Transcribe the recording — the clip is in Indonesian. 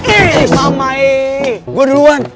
eh mamai gue duluan